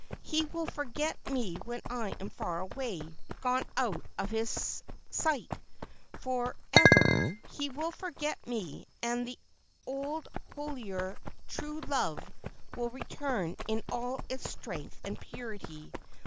He will forget me when I am far away — gone out of his sight for ever. He will forget me ; and the old, holier, truer love will return in all its strength and purity.